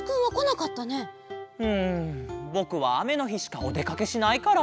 うんぼくはあめのひしかおでかけしないから。